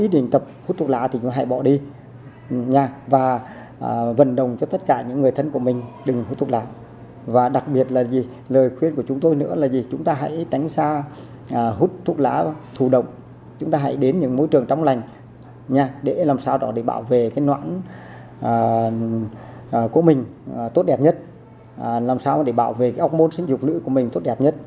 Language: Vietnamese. để làm sao đó để bảo vệ cái nhoãn của mình tốt đẹp nhất làm sao để bảo vệ cái ốc môn sinh dục nữ của mình tốt đẹp nhất